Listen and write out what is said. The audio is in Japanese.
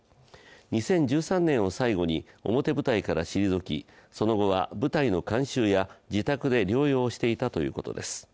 ２０１３年を最後に表舞台から退き、舞台の監修や自宅で療養していたということです。